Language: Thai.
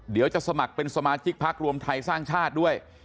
เดี๋ยวจะสมัครเป็นสมาชิกพรรครวมไทยสร้างชาติด้วย